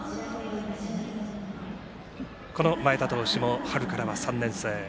この前田投手も、春からは３年生。